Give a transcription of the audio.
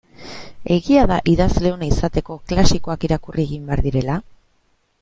Egia da idazle ona izateko klasikoak irakurri egin behar direla?